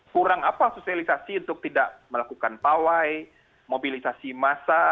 kurang apa sosialisasi untuk tidak melakukan pawai mobilisasi massa